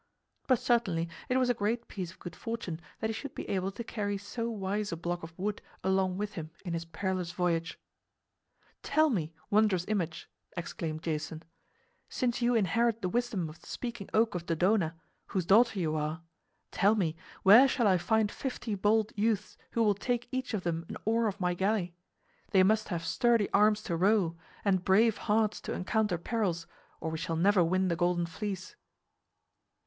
But certainly it was a great piece of good fortune that he should be able to carry so wise a block of wood along with him in his perilous voyage. "Tell me, wondrous image," exclaimed Jason, "since you inherit the wisdom of the Speaking Oak of Dodona, whose daughter you are tell me, where shall I find fifty bold youths who will take each of them an oar of my galley? They must have sturdy arms to row and brave hearts to encounter perils, or we shall never win the Golden Fleece."